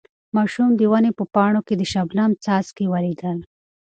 ماشوم د ونې په پاڼو کې د شبنم څاڅکي ولیدل.